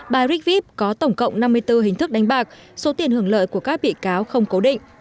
bidvip có tổng cộng năm mươi bốn hình thức đánh bạc số tiền hưởng lợi của các bị cáo không cố định